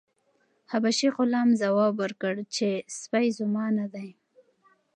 حبشي غلام ځواب ورکړ چې سپی زما نه دی.